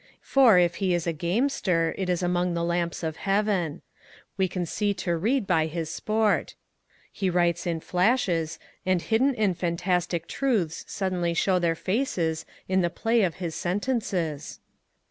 For, if he is a gamester, it is among the lamps of Heaven. We can see to read by his sport. He writes in flashes, and hidden and fantastic truths suddenly show their faces in the play of his sentences.